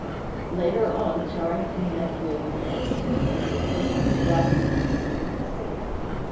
Later on, Charrington met William Rainsford, and the acquaintance ripened into intimacy.